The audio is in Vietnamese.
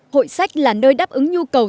hội sách là nơi đáp ứng nhu cầu